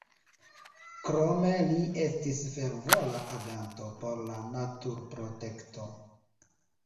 Krome li estis fervora aganto por la naturprotekto.